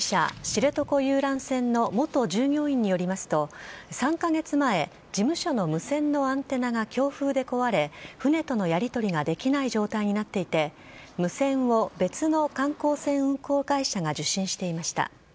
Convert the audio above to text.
知床遊覧船の元従業員によりますと３カ月前、事務所の無線のアンテナが強風で壊れ船とのやりとりができない状態になっていて無線を別の観光船運航会社が受信していました。